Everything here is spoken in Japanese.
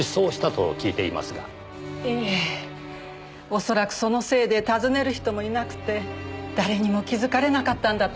おそらくそのせいで訪ねる人もいなくて誰にも気づかれなかったんだと思います。